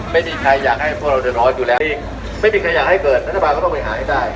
ไม่มีใครอยากให้พวกเราเดือดร้อนอยู่แล้วเองไม่มีใครอยากให้เกิดรัฐบาลก็ต้องไปหาให้ได้